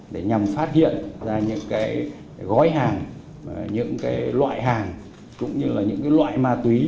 để nhằm phát hiện ra những gói hàng những loại hàng cũng như là những loại ma túy